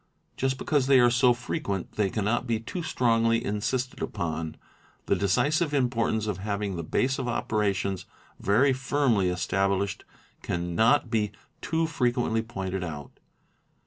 Just because they are so frequent they cannot be too strongly insisted upon; and the decisive import : Q nce of having the base of operations very firmly established cannot be too frequently pointed out.